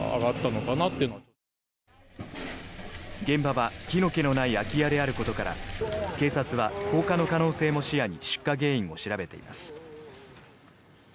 現場は、火の気のない空き家であることから警察は放火の可能性も視野に出火原因を調べています。